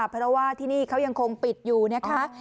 เพราะว่าที่นี่เขายังคงปิดอยู่นะคะ